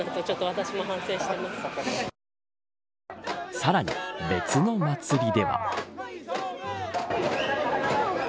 さらに別の祭りでは。